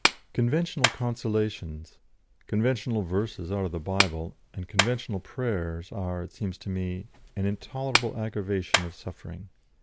Conventional consolations, conventional verses out of the Bible, and conventional prayers are, it seems to me, an intolerable aggravation of suffering.